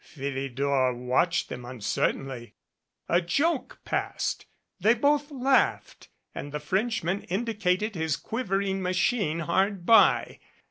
Philidor watched them uncer tainly. A joke passed, they both laughed and the Frenchman indicated his quivering machine hard by.